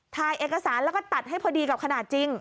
ถ่ายเอกสารแล้วก็ตัดให้พอดีกับขนาดจริง